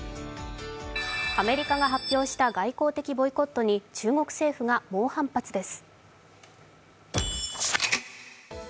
アメリカが発表した外交的ボイコットに中国政府が猛反発です。